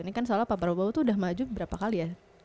ini kan soalnya pak prabowo tuh udah maju berapa kali ya